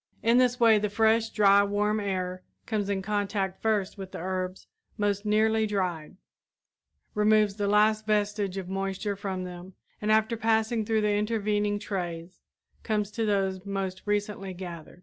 In this way the fresh, dry, warm air comes in contact first with the herbs most nearly dried, removes the last vestige of moisture from them and after passing through the intervening trays comes to those most recently gathered.